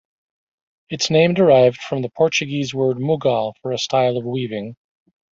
Its name derived from the Portuguese word Mughal for a style of weaving.